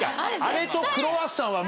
あれとクロワッサンは。